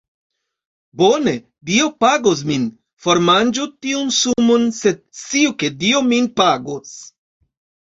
Bone, Dio pagos min. Formanĝu tiun sumon sed sciu ke Dio min pagos